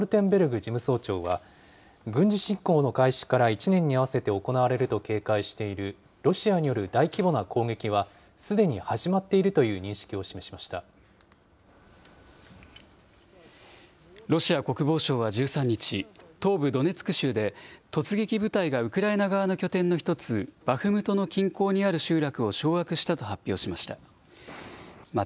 事務総長は、軍事侵攻の開始から１年にあわせて行われると警戒しているロシアによる大規模な攻撃は、すでに始まっているという認識を示しましロシア国防省は１３日、東部ドネツク州で、突撃部隊がウクライナ側の拠点の一つ、バフムトの近郊にある集落を掌握したと発表しました。